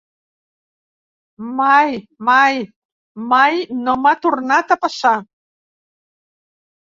Mai mai mai no m'ha tornat a passar.